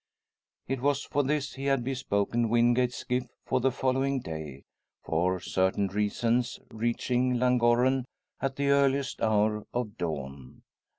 It was for this he had bespoken Wingate's skiff for the following day; for certain reasons reaching Llangorren at the earliest hour of dawn.